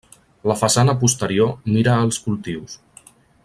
La façana posterior mira als cultius.